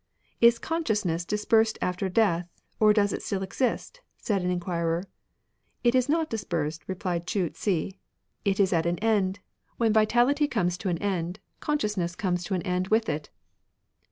" Is consciousness dispersed after death, or does it still exist ?" said an enquirer. "It is not dispersed," replied Chu Hsi ; "it is at an end. When vitality comes to an 6i RELIGIONS OF ANCIENT CHINA end, consoiousness comes to an end with it."